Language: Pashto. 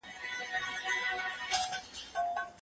تاسو باید د هلمند د سرسبزۍ لپاره هڅه وکړئ.